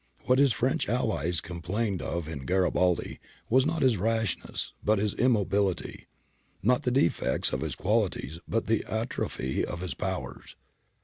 What his French allies complained of in Garibaldi was not his rashness but his immobility, not the defects of his qualities but the atrophy of his powers.